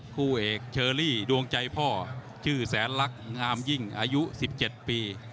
คู่เอกเชอรี่ดวงใจพ่อชื่อแสนลักษณ์งามยิ่งอายุ๑๗ปี